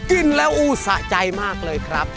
กินแล้วอู้สะใจมากเลยครับ